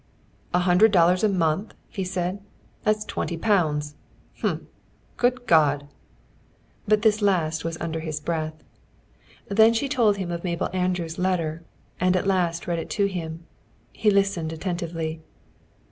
"A hundred dollars a month," he said. "That's twenty pounds. Humph! Good God!" But this last was under his breath. Then she told him of Mabel Andrews' letter, and at last read it to him. He listened attentively.